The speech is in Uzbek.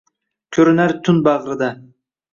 Ko’rinar tun bag’rida.